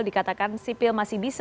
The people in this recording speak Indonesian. dikatakan sipil masih bisa